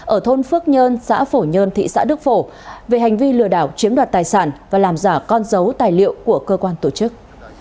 ở thôn phước nhơn xã phổ nhơn thị xã đức phổ về hành vi lừa đảo chiếm đoạt tài sản và làm giả con dấu tài liệu của cơ quan tổ chức